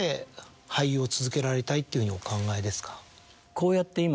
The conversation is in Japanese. こうやって今。